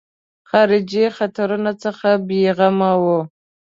خارجي خطرونو څخه بېغمه وو.